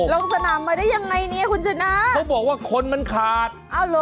ลงสนามมาได้ยังไงเนี่ยคุณชนะเขาบอกว่าคนมันขาดอ้าวเหรอ